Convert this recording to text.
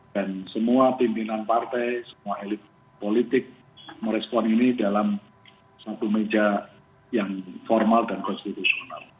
dan semua pimpinan partai semua elit politik merespon ini dalam satu meja yang formal dan konstitusional